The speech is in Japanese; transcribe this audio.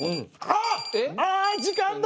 あっああ時間だ。